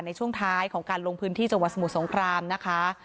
ในช่วงท้ายของการลงพื้นที่จังหวัดสมุทรสงครามนะคะ